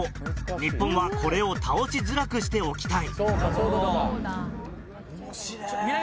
日本はこれを倒しづらくしておきたい。